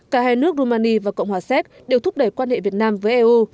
cả hai nước rumani và cộng hòa séc đều thúc đẩy quan hệ việt nam với eu